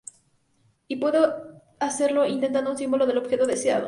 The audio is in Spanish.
Y puede hacerlo inventando un símbolo del objeto deseado.